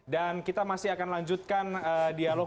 dan kita masih akan lanjutkan dialog